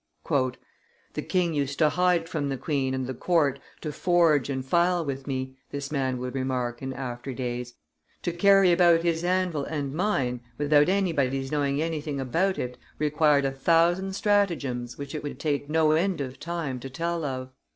"The king used to hide from the queen and the court to forge and file with me," this man would remark in after days: "to carry about his anvil and mine, without anybody's knowing anything about it required a thousand stratagems which it would take no end of time to tell of."